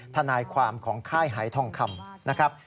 ทนายความของค่ายหายทองคำนะครับ